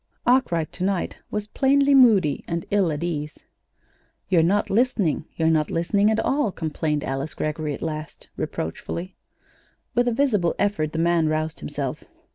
Arkwright to night was plainly moody and ill at ease. "You're not listening. You're not listening at all," complained Alice Greggory at last, reproachfully. With a visible effort the man roused himself.